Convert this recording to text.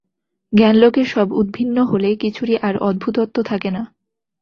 জ্ঞানালোকে সব উদ্ভিন্ন হলে কিছুরই আর অদ্ভুতত্ব থাকে না।